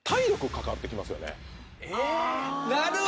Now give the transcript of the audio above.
なるほど！